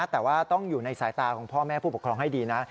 แต่ว่าต้องอยู่ในสายตาของพ่อแม่ผู้ปกครองให้ดีนะ